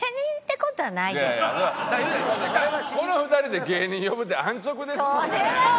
いやまずこの２人で芸人呼ぶって安直ですもんね。